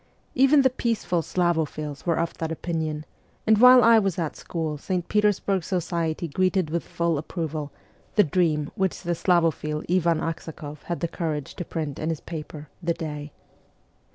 Even the peaceful Slavophiles were of that opinion ; and while I was at school St. Peters burg society greeted with full approval the ' dream ' which the Slavophile Ivan Aksakoff had the courage to print in his paper, ' The Day.'